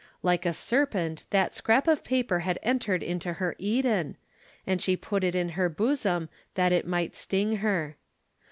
Like a serpent that scrap of paper had entered into her Eden, and she put it in her bosom that it might sting her.